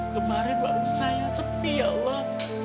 kemarin waktu saya sepi ya allah